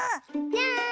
じゃん！